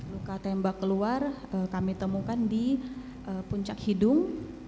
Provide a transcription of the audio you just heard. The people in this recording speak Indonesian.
luka tembak keluar kami temukan di puncak hidung